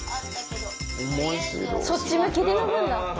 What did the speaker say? そっち向きで読むんだ。